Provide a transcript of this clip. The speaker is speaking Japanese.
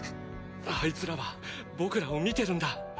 あいつらは僕らをみてるんだ！